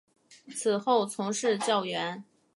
此后从事教员。